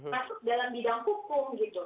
masuk dalam bidang hukum gitu